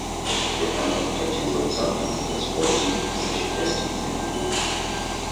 The album touches on subjects such as politics, social justice, and war.